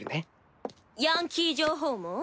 ヤンキー情報網？